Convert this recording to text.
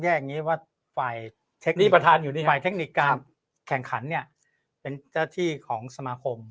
แยกงี้ว่าไฟเทคนิคการแข่งขันเนี่ยเป็นเจ้าที่ของสมาคม